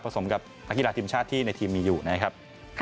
สมกับนักกีฬาทีมชาติที่ในทีมมีอยู่นะครับ